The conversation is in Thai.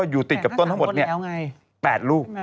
อยู่ติดกับต้นทั้งหมด๘ลูก